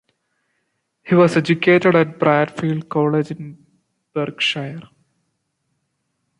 He was educated at Bradfield College in Berkshire.